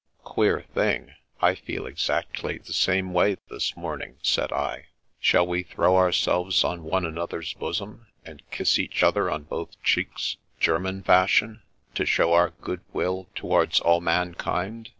" Queer thing ; I feel exactly the same way this morning," said I. " Shall we throw ourselves on one another's bosom, and kiss each other on both cheeks, German fashion, to show our good will towards all mankind